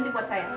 itu buat saya